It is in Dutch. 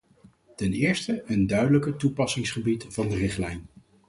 Ten eerste: een duidelijker toepassingsgebied van de richtlijn.